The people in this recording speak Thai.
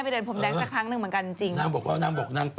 จริงเป็นคนไทยด้วยกันก็น่าจะช่วยกันเชียร์กันเป็นกำลังใจให้กันนะ